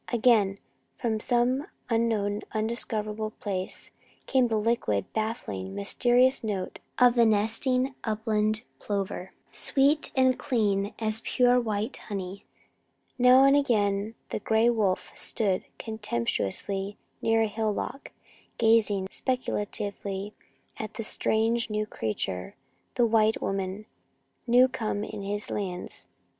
Again, from some unknown, undiscoverable place, came the liquid, baffling, mysterious note of the nesting upland plover, sweet and clean as pure white honey. Now and again a band of antelope swept ghostlike across a ridge. A great gray wolf stood contemptuously near on a hillock, gazing speculatively at the strange new creature, the white woman, new come in his lands.